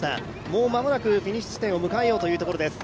もう間もなくフィニッシュ地点を迎えようというところです。